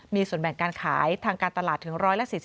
มีส่วนแบ่งการขายทางการตลาดถึง๑๔๐